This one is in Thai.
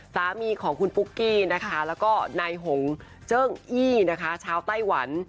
สามีของคุณปุ๊กกี้นะคะแล้วก็นายหงเจิ้งอี้นะคะชาวไต้หวัน